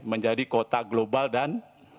menjadi kota global dan